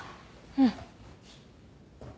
うん。